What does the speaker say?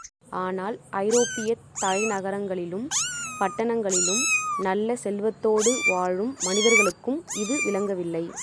ஆனால் ஐரோப்பியத் தலை நகரங்களிலும், பட்டணங்களிலும் நல்ல செல்வத்தோடு வாழும் மனிதர்களுக்கும் இது விளங்கவில்லை.